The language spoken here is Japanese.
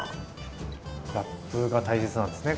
ラップが大切なんですね